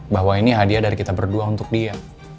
bahwa ini hadiah dari kita berdua untuk dia